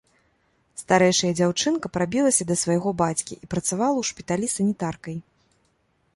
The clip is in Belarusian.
Старэйшая дзяўчынка прабілася да свайго бацькі і працавала ў шпіталі санітаркай.